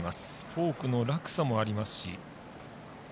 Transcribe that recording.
フォークの落差もありますし。